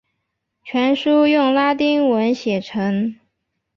全书用拉丁文写成。